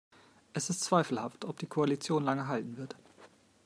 Es ist zweifelhaft, ob die Koalition lange halten wird.